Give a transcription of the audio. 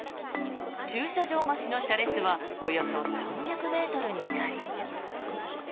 駐車場待ちの車列はおよそ３００ｍになり。